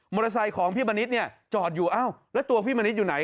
มอเตอร์ไซส์ของพิมณิษฐ์จอดอยู่แล้วตัวพิมณิษฐ์อยู่ไหน